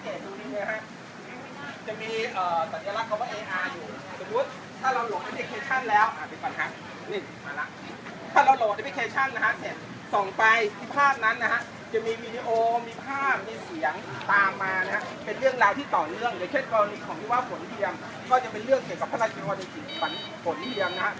เช่นกรณีของที่ว่าฝนเทียมก็จะเป็นเรื่องเกี่ยวกับพระราชิกรณีฝนเทียมนะครับ